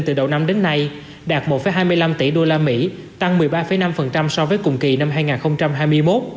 từ đầu năm đến nay đạt một hai mươi năm tỷ usd tăng một mươi ba năm so với cùng kỳ năm hai nghìn hai mươi một